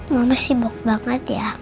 mama sibuk banget ya